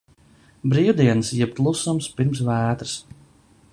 Brīvdienas jeb klusums pirms vētras.